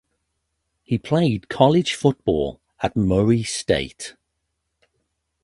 He played college football at Murray State.